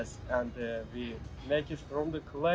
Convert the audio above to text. jadi nama itu potri kebab